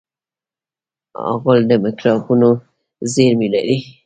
غول د مکروبونو زېرمې لري.